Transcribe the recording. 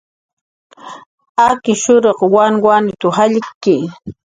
"Akishuruq wanwanit"" jallki"